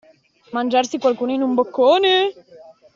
Mangiarsi qualcuno in un boccone.